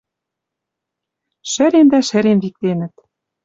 Шӹрен дӓ шӹрен виктенӹт.